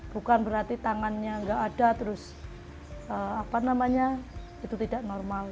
bukan berarti tangannya nggak ada terus apa namanya itu tidak normal